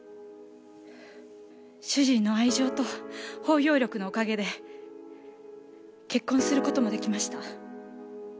主人の愛情と包容力のおかげで結婚する事も出来ました。